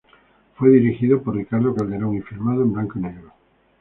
Fue dirigido por Ricardo Calderón y filmado en blanco y negro.